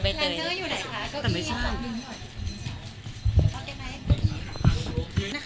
แต่ไม่ชอบ